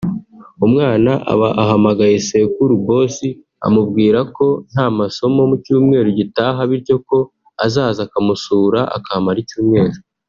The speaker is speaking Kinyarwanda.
umwana aba ahamagaye sekuru (boss) amubwira ko nta masomo mu cyumweru gitaha bityo ko azaza akamusura akahamara icyumweru